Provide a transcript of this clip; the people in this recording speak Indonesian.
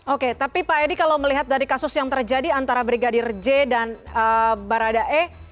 oke tapi pak edi kalau melihat dari kasus yang terjadi antara brigadir j dan baradae